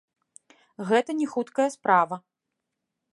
Гэта не хуткая справа.